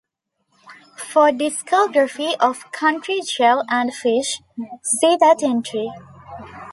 "For discography of Country Joe and the Fish, see that entry"